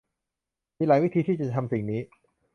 มีหลายวิธีที่จะทำสิ่งนี้